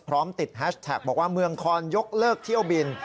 พร้อมติดแฮชแท็กบอกว่าเมืองคอนยกเลิกเที่ยวบิน